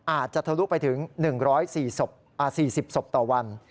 อาจจะทะลุไปถึง๑๔๐โดสต่อวัน